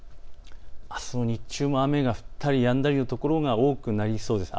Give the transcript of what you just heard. あすの日中も雨が降ったりやんだりの所が多くなりそうです。